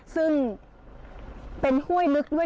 ซึ่งเป็นห้วยมึกด้วย